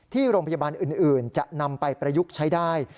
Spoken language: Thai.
ที่โรงพยาบาลอื่นจะนำไปประยุกต์ใช้ได้